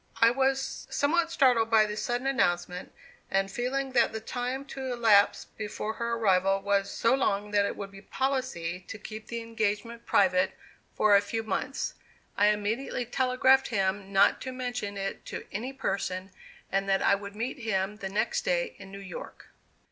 I was somewhat startled by this sudden announcement; and feeling that the time to elapse before her arrival was so long that it would be policy to keep the engagement private for a few months, I immediately telegraphed him not to mention it to any person, and that I would meet him the next day in New York.